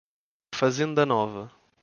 Fazenda Nova